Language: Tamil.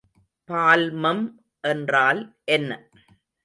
பால்மம் என்றால் என்ன?